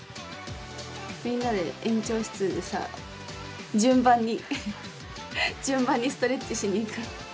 みんなで園長室でさ順番に順番にストレッチしにいく。